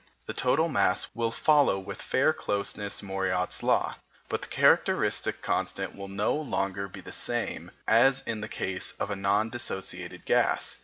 The total mass will follow with fair closeness Mariotte's law, but the characteristic constant will no longer be the same as in the case of a non dissociated gas.